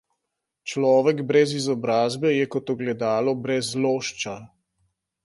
Človek brez izobrazbe je kot ogledalo brez lošča.